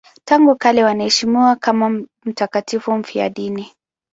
Tangu kale wanaheshimiwa kama mtakatifu mfiadini.